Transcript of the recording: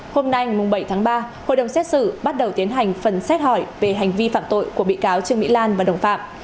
hôm nay bảy tháng ba hội đồng xét xử bắt đầu tiến hành phần xét hỏi về hành vi phạm tội của bị cáo trương mỹ lan và đồng phạm